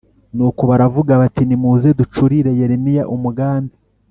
Nuko baravuga bati nimuze ducurire Yeremiya umugambi